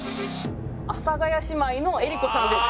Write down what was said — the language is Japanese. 阿佐ヶ谷姉妹の江里子さんです。